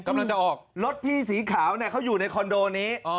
กำลังจะออกรถพี่สีขาวเขาอยู่ในคอนโดนี้